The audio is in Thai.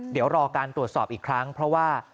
เดี๋ยวรอการตรวจสอบอีกครั้งเพราะว่า